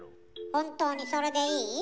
本当にそれでいい？